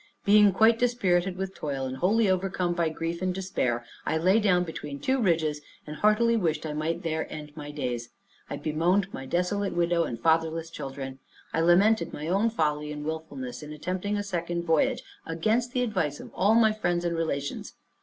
Being quite dispirited with toil, and wholly overcome by grief and despair, I lay down between two ridges, and heartily wished I might there end my days. I bemoaned my desolate widow and fatherless children. I lamented my own folly and wilfulness, in attempting a second voyage, against the advice of all my friends and relations.